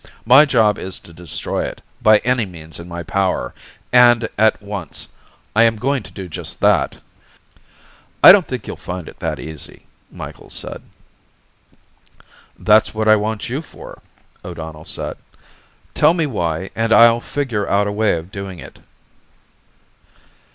My job is to destroy it, by any means in my power, and at once. I am going to do just that." "I don't think you'll find it that easy," Micheals said. "That's what I want you for," O'Donnell said. "Tell me why and I'll figure out a way of doing it."